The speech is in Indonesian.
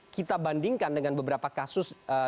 kita bandingkan dengan beberapa kasus